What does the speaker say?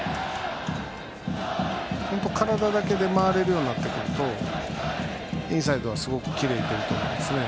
体だけで回れるようになってくるとインサイドはすごくきれいに打てると思いますね。